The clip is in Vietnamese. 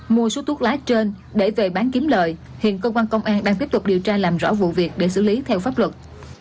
mua số thuốc lá trên để về bán kiếm lợi hiện công an đang tiếp tục điều tra làm rõ vụ việc để xử lý theo pháp luật